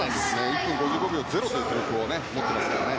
１分５５秒０という記録を持っていますね。